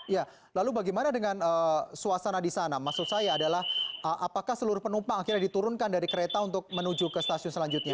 ya lalu bagaimana dengan suasana di sana maksud saya adalah apakah seluruh penumpang akhirnya diturunkan dari kereta untuk menuju ke stasiun selanjutnya